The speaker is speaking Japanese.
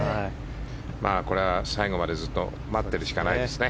これは最後までずっと待ってるしかないですね。